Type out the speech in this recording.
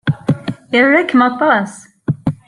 Ira-kem aṭas.